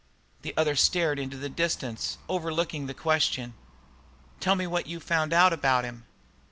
The other stared into the distance, overlooking the question. "Tell me what you've found out about him."